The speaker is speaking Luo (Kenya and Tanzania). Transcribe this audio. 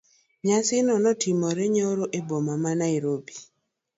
Nyasi no ne otimore nyoro e boma ma Nairobi.